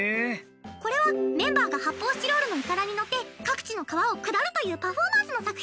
これはメンバーが発泡スチロールのいかだに乗って各地の川を下るというパフォーマンスの作品。